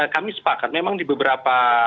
kami sepakat memang di beberapa